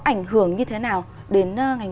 ảnh hưởng như thế nào đến ngành